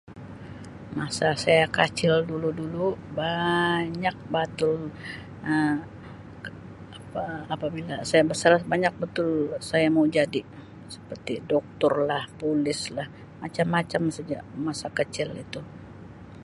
Masa saya kacil dulu-dulu banyak batul Um apa apabila saya besar banyak betul saya mau jadi seperti Doktor lah Polis lah macam-macam saja masa kecil itu.